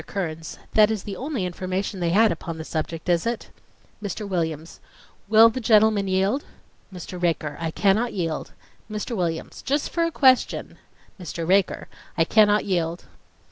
KEARNS : That is the only information they had upon the subject, is it? MR. WILLIAMS: ... Will the gentleman yield? MR. RAKER: I cannot yield. MR. WILLIAMS: Just for a question. MR. RAKER: I cannot yield